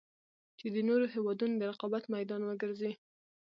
چـې د نـورو هېـوادونـو د رقـابـت مـيدان وګـرځـي.